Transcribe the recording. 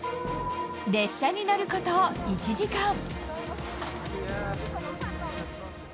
列車に乗ること１時間。